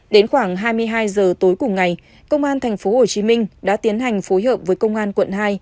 đến khoảng hai mươi hai h tối cùng ngày công an tp hcm đã tiến hành phối hợp với công an quận hai